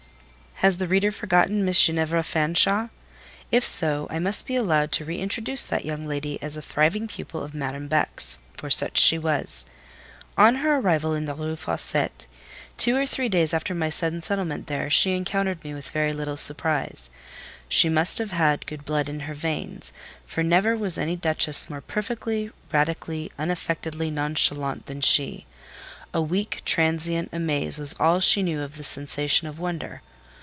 Has the reader forgotten Miss Ginevra Fanshawe? If so, I must be allowed to re introduce that young lady as a thriving pupil of Madame Beck's; for such she was. On her arrival in the Rue Fossette, two or three days after my sudden settlement there, she encountered me with very little surprise. She must have had good blood in her veins, for never was any duchess more perfectly, radically, unaffectedly nonchalante than she: a weak, transient amaze was all she knew of the sensation of wonder.